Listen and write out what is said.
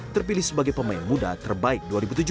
terpilih sebagai pemain muda terbaik dua ribu tujuh belas